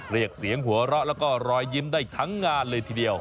เรียกเสียงหัวเราะแล้วก็รอยยิ้มได้ทั้งงานเลยทีเดียว